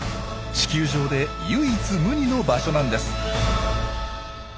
地球上で唯一無二の場所なんです。